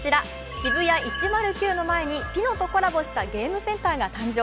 ＳＨＩＢＵＹＡ１０９の前にピノとコラボしたゲームセンターが誕生。